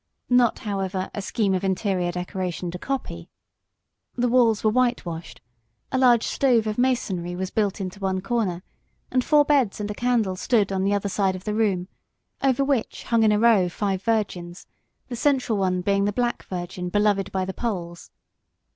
Not, however, a scheme of interior decoration to copy! The walls were whitewashed; a large stove of masonry was built into one corner, and four beds and a cradle stood on the other side of the room, over which hung in a row five virgins, the central one being the Black Virgin beloved by the Poles.